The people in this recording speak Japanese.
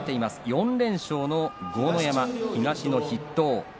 ４連勝の豪ノ山、東の筆頭です。